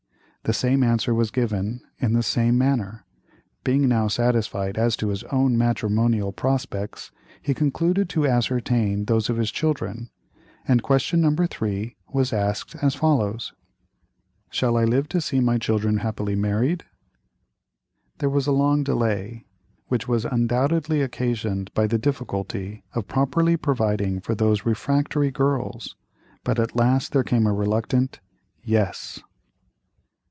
The same answer was given, in the same manner. Being now satisfied as to his own matrimonial prospects, he concluded to ascertain those of his children, and question No. 3 was asked, as follows: "Shall I live to see my children happily married?" There was a long delay, which was undoubtedly occasioned by the difficulty of properly providing for those refractory girls, but at last there came a reluctant "Yes."